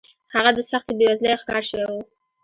هغه د سختې بېوزلۍ ښکار شوی و